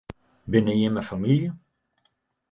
Binne jimme famylje?